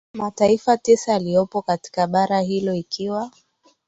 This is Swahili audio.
mataifa tisa yaliyopo katika bara hilo ikiwa